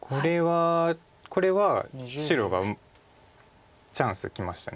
これは白がチャンスきました。